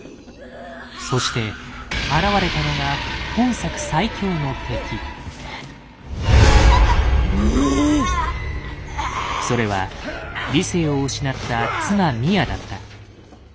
そして現れたのが本作それは理性を失った妻・ミアだった。